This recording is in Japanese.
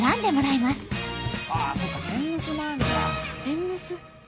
天むす。